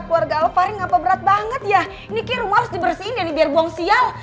keluarga alvari ngapa berat banget ya ini rumah harus dibersihin ya biar buang sial